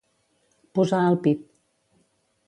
Posar al pit.